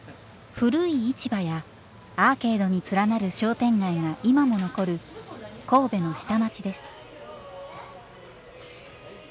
古い市場やアーケードに連なる商店街が今も残る神戸の下町です。